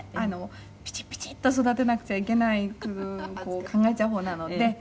ピチピチッと育てなくちゃいけなく考えちゃう方なので」